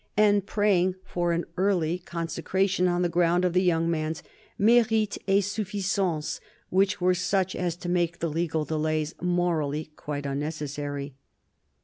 and praying for an early con 24 CARDINAL DE RICHELIEU secration on the ground of the young man's " merite et suffisance," which were such as to make the legal delays morally quite unnecessary.